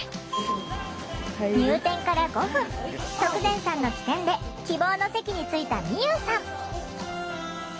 入店から５分徳善さんの機転で希望の席に着いたみゆうさん。